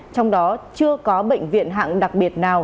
trong đó chưa có bệnh viện hạng đặc biệt nào